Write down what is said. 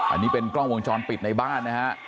อันนี้เป็นกล้องวงจรปิดในบ้านนะฮะ